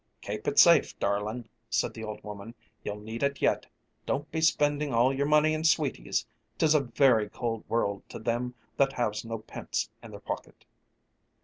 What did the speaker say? "Kape it safe, darlin'," said the old woman; "you'll need it yet. Don't be spending all your money in sweeties; 'tis a very cold world to them that haves no pince in their pocket."